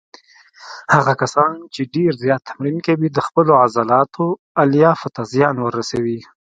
هغه کسان چې ډېر زیات تمرین کوي د خپلو عضلاتو الیافو ته زیان ورسوي.